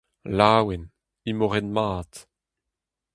Laouen, imoret-mat.